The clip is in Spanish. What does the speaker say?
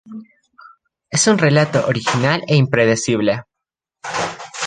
Es un relato original e impredecible.